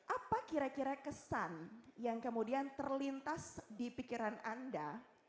apa kira kira kesan yang kemudian terlintas di pikiran anda